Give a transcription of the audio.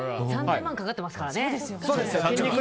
３０００万円かかってますからね。